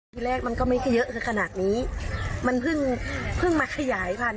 ทีแรกมันก็ไม่ได้เยอะขนาดนี้มันเพิ่งเพิ่งมาขยายพันธุ